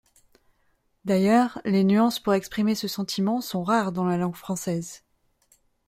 D’ailleurs, les nuances pour exprimer ce sentiment sont rares dans la langue française.